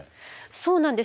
そうなんです。